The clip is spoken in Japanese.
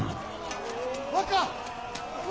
若！